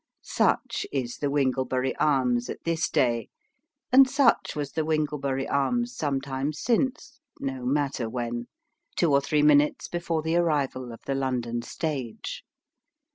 Such is the Winglebury Arms, at this day, and such was the Winglebury Arms some time since no matter when two or three minutes before the arrival of the London stage.